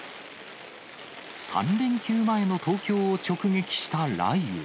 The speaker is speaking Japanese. ３連休前の東京を直撃した雷雨。